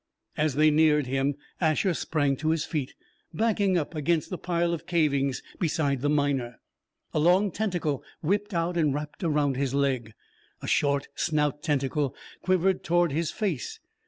As they neared him, Asher sprang to his feet, backing up against the pile of cavings beside the Miner. A long tentacle whipped out and wrapped around his leg. A short, snout tentacle quivered toward his face.